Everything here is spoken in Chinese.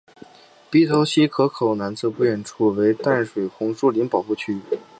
鼻头溪河口南侧不远处为淡水红树林保护区。